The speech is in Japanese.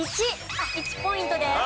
１ポイントです。